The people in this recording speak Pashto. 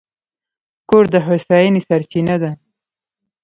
کور د هوساینې سرچینه ده.